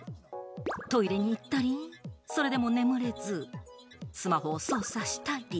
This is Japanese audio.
トイレに行ったり、それでも眠れず、スマホを操作したり。